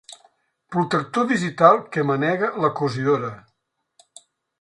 Protector digital que manega la cosidora.